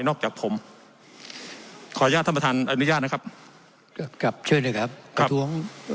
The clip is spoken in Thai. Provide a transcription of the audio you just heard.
นอกจากผมขออนุญาตท่านประธานนะครับกลับเชิญหน่อยครับครับประท้วง